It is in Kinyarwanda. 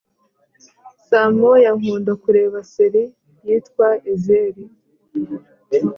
saa moya nkunda kureba serie yitwa ezeli